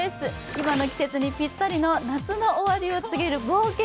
今の季節にぴったりの夏の終わりを告げる冒険